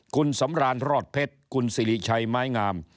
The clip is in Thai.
คุณสำรานรอดเพชรคุณสิริชัยไม้งาม